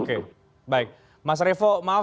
oke baik mas revo maaf